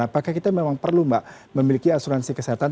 apakah kita memang perlu mbak memiliki asuransi kesehatan